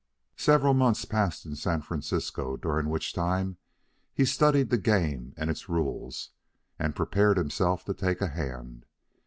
Several months passed in San Francisco during which time he studied the game and its rules, and prepared himself to take a hand.